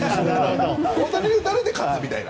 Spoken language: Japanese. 大谷に打たれて勝つみたいな。